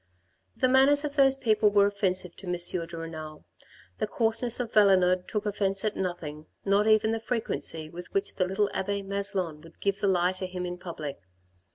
The manners of those people were offensive to M. de Renal. The coarseness of Valenod took offence at nothing, not even the frequency with which the little abbe Maslon would give the lie to him in public.